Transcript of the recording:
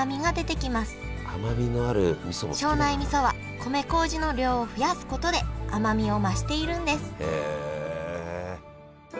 庄内みそは米こうじの量を増やすことで甘みを増しているんですへえ！